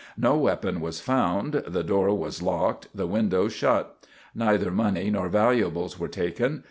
No weapon was found, the door was locked, the window shut. Neither money nor valuables were taken.